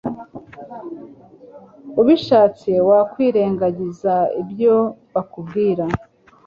ubishatse wakwirengagiza ibyo bakubwira